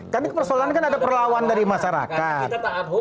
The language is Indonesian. kan persoalan kan ada perlawan dari masyarakat